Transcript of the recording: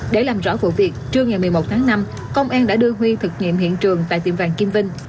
để làm rõ vụ việc trưa ngày một mươi một tháng năm công an đã đưa huy thực nghiệm hiện trường tại tiệm vàng kim vinh